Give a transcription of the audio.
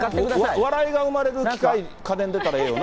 笑いが生まれる機械、家電出たらええよな。